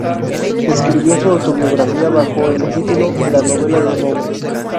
Escribió su autobiografía bajo el título:"La novela de un hombre".